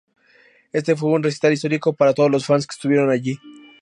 Este fue un recital histórico para todos los fans que estuvieron allí.